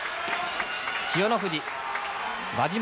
千代の富士、輪島。